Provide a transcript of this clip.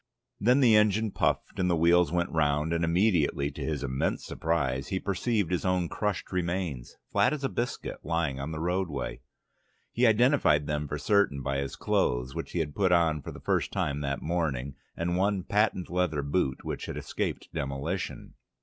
Then the engine puffed and the wheels went round, and immediately, to his immense surprise, he perceived his own crushed remains, flat as a biscuit, lying on the roadway. He identified them for certain by his clothes, which he had put on for the first time that morning, and one patent leather boot which had escaped demolition.